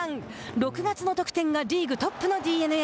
６月の得点がリーグトップのＤｅＮＡ。